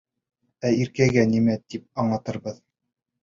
Ә Иркәгә нимә тип аңлатырбыҙ?